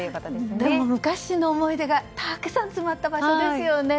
昔の思い出がたくさん詰まった場所ですよね。